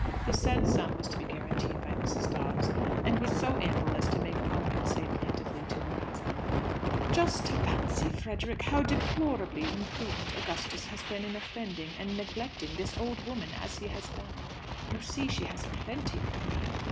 The said sum was to be guaranteed by Mrs. Dobbs, and was so ample as to make Pauline say plaintively to her husband, "Just fancy, Frederick, how deplorably imprudent Augustus has been in offending and neglecting this old woman as he has done! You see she has plenty of money.